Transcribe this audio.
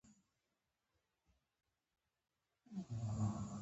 د نورو افغانانو د قهر او غضب په قاموس کې.